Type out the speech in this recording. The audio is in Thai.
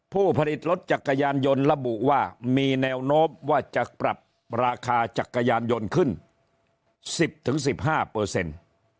ผู้ผลิตรถจักรยานยนต์ระบุว่ามีแนวโน้มว่าจะปรับราคาจักรยานยนต์ขึ้น๑๐๑๕เปอร์เซ็นต์